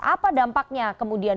apa dampaknya kemudian